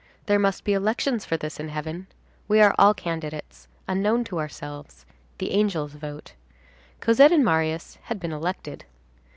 There must be elections for this in heaven; we are all candidates, unknown to ourselves; the angels vote. Cosette and Marius had been elected.